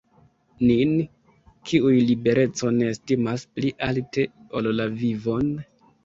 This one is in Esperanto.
Nin, kiuj liberecon estimas pli alte ol la vivon.